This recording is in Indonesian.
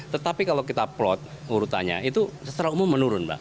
tetapi kalau kita plot urutannya itu secara umum menurun mbak